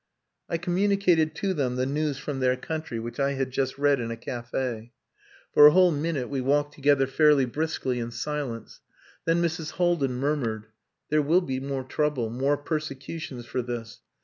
I communicated to them the news from their country which I had just read in a cafe. For a whole minute we walked together fairly briskly in silence. Then Mrs. Haldin murmured "There will be more trouble, more persecutions for this.